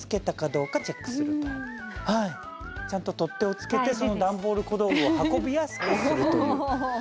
ちゃんと取っ手を付けてダンボール小道具を運びやすくするという。